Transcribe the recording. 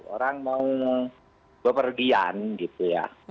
orang mau bepergian gitu ya